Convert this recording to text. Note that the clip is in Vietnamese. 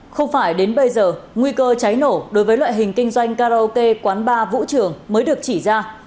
không phải đến bây giờ nguy cơ cháy nổ đối với loại hình kinh doanh karaoke quán bar vũ trường mới được chỉ ra